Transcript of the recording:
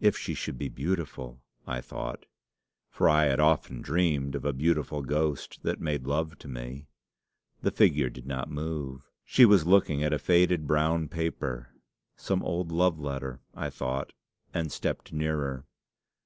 'If she should be beautiful!' I thought for I had often dreamed of a beautiful ghost that made love to me. The figure did not move. She was looking at a faded brown paper. 'Some old love letter,' I thought, and stepped nearer.